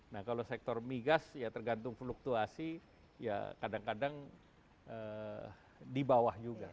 nah kalau sektor migas ya tergantung fluktuasi ya kadang kadang di bawah juga